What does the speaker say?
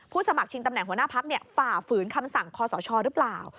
สมัครชิงตำแหน่งหัวหน้าพักฝ่าฝืนคำสั่งคอสชหรือเปล่า